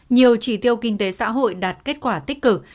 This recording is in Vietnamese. nhiều chỉ tiêu kinh tế xã hội đạt kết quả tích cực